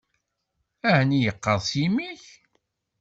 Ɛni yeqqers yimi-k?